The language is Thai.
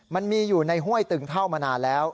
มันมีอยู่ในห้วยตึงเท่ามานานแล้ว